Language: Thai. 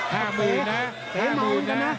หมื่นนะสี่หมื่นนะ